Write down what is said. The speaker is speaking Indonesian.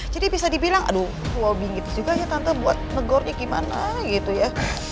jadi bisa dibilang aduh mau bingits juga ya tante buat negornya gimana gitu ya